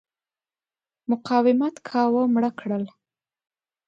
مقاومت کاوه مړه کړل.